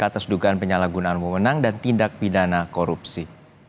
atas dugaan penyalahgunaan memenang dan tindak pidana korupsi